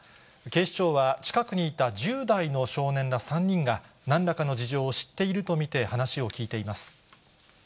警視庁は、近くにいた１０代の少年ら３人が、なんらかの事情を知っていると見て話を聞いています。